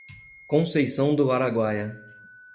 Conceição do Araguaia